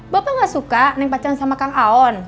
bapak gak suka neng pacaran sama kang aon